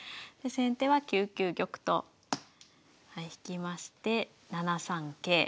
で先手は９九玉と引きまして７三桂。